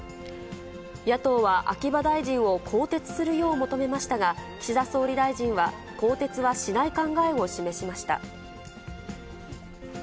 野党は秋葉大臣を更迭するよう求めましたが、岸田総理大臣は更迭はしない考えを示しました。